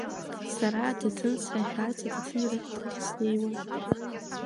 Сара аҭаҭын срашәарц аҭаҭынырҭахь снеиуан.